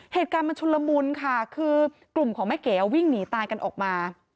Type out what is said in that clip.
เหตุการณ์มันชุนละมุนค่ะคือกลุ่มของแม่เก๋วิ่งหนีตายกันออกมา